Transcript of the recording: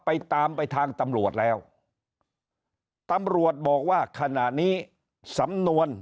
ไปตามไปทางตำรวจแล้วตำรวจบอกว่าขณะนี้สำนวน